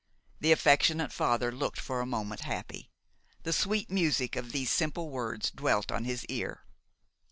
The affectionate father looked for a moment happy. The sweet music of these simple words dwelt on his ear.